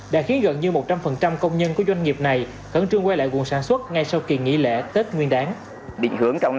đã khiến gần như một trăm linh công nhân của doanh nghiệp này khẩn trương quay lại nguồn sản xuất ngay sau kỳ nghỉ lễ tết nguyên đáng